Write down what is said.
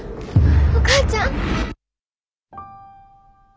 お母ちゃん。